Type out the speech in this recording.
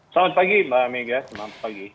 selamat pagi mbak mega selamat pagi